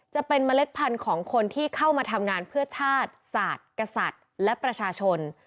จะเป็นเมล็ดพันธุ์ของคนที่เข้ามาทำงานเพื่อชาติศาสตร์กษัตริย์และประชาชน